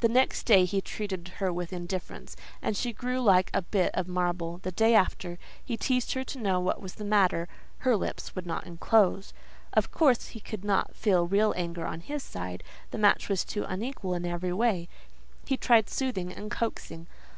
The next day he treated her with indifference, and she grew like a bit of marble. The day after, he teased her to know what was the matter; her lips would not unclose. Of course he could not feel real anger on his side: the match was too unequal in every way; he tried soothing and coaxing.